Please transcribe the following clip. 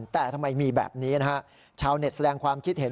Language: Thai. แต่ทำไมมีแบบนี้นะฮะชาวเน็ตแสดงความคิดเห็น